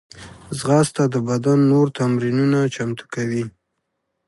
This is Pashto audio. ځغاسته د بدن نور تمرینونه چمتو کوي